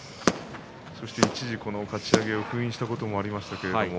一時、かち上げを封印したこともありますね。